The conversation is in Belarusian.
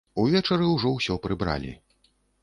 Увечары ўжо ўсё прыбралі.